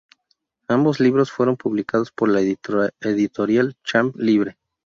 Ambos libros fueron publicados por la editorial Champ libre.